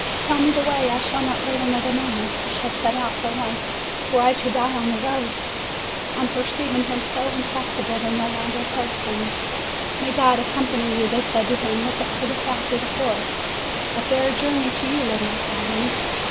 Tell me the way; I shall not wait another moment; I shall set out at once, were I to die on the road!" On perceiving him so inflexible, they no longer 288 MAY opposed him. "May God accompany you!" they said to him. "Look out for the path through the forest. A fair journey to you, little Italian!"